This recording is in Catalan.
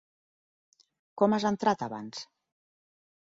Com has entrat abans?